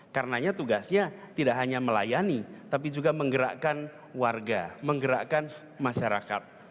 karenanya tugasnya tidak hanya melayani tapi juga menggerakkan warga menggerakkan masyarakat